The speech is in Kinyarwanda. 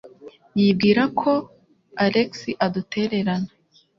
Yibwira ko Alex adutererana.